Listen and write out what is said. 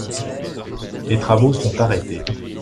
Les travaux sont arrêtés.